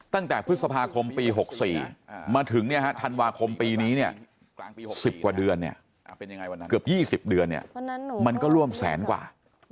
ตั้งแต่พฤษภาคมปี๖๔มาถึงธันวาคมปีนี้เนี่ย๑๐กว่าเดือนเนี่ยเกือบ๒๐เดือนมันก็ร่วมแสนกว่า